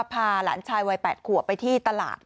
พาหลานชายวัย๘ขวบไปที่ตลาด